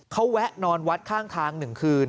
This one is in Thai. เขาแวะนอนวัดข้างทาง๑คืน